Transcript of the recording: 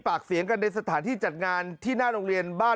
ปากเสียงกันในสถานที่จัดงานที่